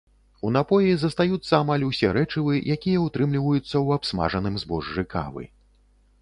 У напоі застаюцца амаль усе рэчывы, якія ўтрымліваюцца ў абсмажаным збожжы кавы.